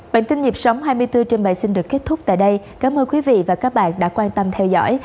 bản tin dịp sóng hai mươi bốn trên bãi sinh được kết thúc tại đây cảm ơn quý vị và các bạn đã quan tâm theo dõi